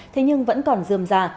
thế nhưng vẫn còn dườm ra